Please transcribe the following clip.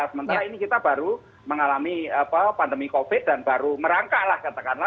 sementara ini kita baru mengalami pandemi covid dan baru merangkak lah katakanlah